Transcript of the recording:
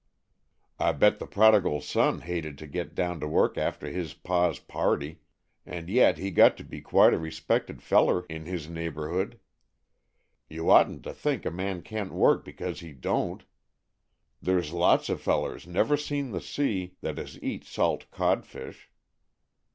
I bet the prodigal son hated to get down to work after his pa's party, and yet he got to be quite a respected feller in his neighborhood. You oughtn't to think a man can't work because he don't. There's lots of fellers never seen the sea that has eat salt codfish."